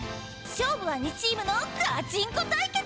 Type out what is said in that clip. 勝負は２チームのガチンコ対決！